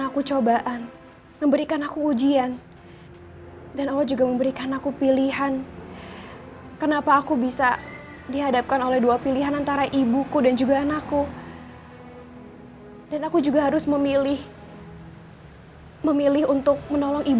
pupuk punya kamu sudah padat mihoo